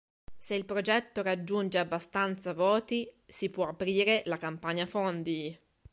Se il progetto raggiunge abbastanza voti, si può aprire la campagna fondi.